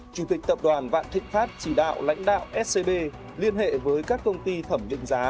chủ tịch tập đoàn vạn thịnh pháp chỉ đạo lãnh đạo scb liên hệ với các công ty thẩm định giá